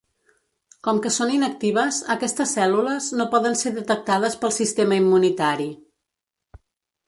Com que són inactives, aquestes cèl·lules no poden ser detectades pel sistema immunitari.